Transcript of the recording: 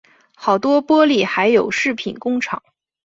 好多玻璃还有饰品工厂